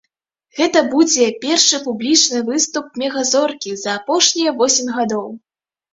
Гэта будзе першы публічны выступ мега-зоркі за апошнія восем гадоў.